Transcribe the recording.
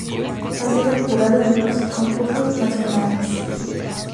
Ha sido jurado en diversos concursos nacionales.